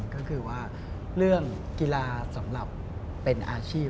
ก็คือว่าเรื่องกีฬาสำหรับเป็นอาชีพ